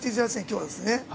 今日はですね。